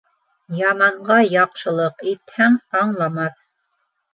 Яманға яҡшылыҡ итһәң, аңламаҫ